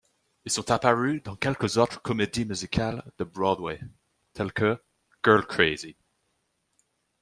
Ils sont apparus dans quelques autres comédies musicales de Broadway, tel que Girl Crazy.